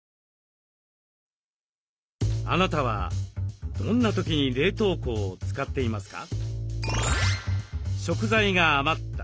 あなたはどんな時に冷凍庫を使っていますか？